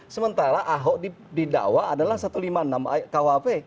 sementara ahok didakwa adalah satu ratus lima puluh enam kuhp